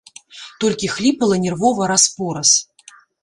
Толькі хліпала нервова раз-пораз.